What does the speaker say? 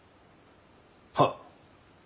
はっ！